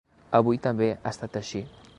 Avui també ha estat així.